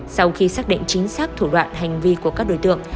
sau khi xác định chính xác thủ đoạn hành vi của các đối tượng